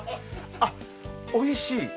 あ、おいしい？